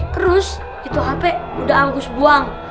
terus itu hp udah angkus buang